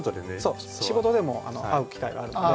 そう仕事でも会う機会があるので。